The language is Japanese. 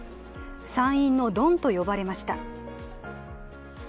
参院のドンと呼ばれました。